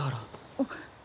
あっ。